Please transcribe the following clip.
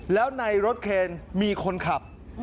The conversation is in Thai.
แล้วในรถเคนมีคนขับ